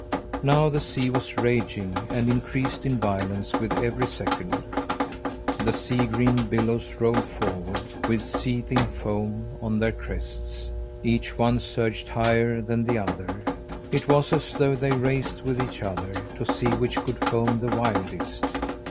Now the sea was raging, and increased in violence with every second. The sea green billows rolled forward, with seething foam on their crests. Each one surged higher than the other. It was as though they raced with each other, to see which could foam the wildest.